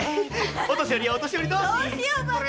・お年寄りはお年寄りどうし！